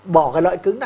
bỏ cái lõi cứng ra